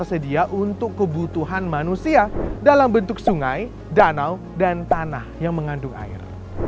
tersedia untuk kebutuhan manusia dalam bentuk sungai danau dan tanah yang mengandung air